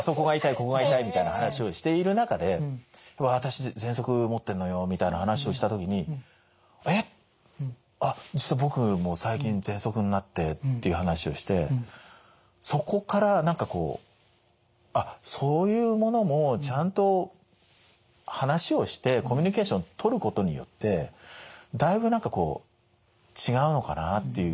ここが痛いみたいな話をしている中で私ぜんそく持ってんのよみたいな話をした時にえっあっ実は僕も最近ぜんそくになってっていう話をしてそこから何かこうあっそういうものもちゃんと話をしてコミュニケーションを取ることによってだいぶ何かこう違うのかなっていう。